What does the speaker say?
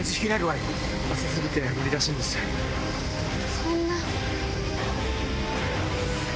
そんな！